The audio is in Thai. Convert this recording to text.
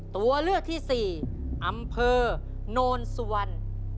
ตัวเลือกที่สี่อำเภอโนนสุวรรณ